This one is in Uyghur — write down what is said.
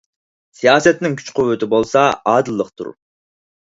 سىياسەتنىڭ كۈچ - قۇۋۋىتى بولسا ئادىللىقتۇر.